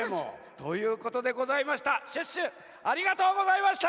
ということでございました。